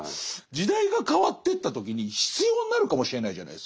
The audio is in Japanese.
時代が変わってった時に必要になるかもしれないじゃないですか。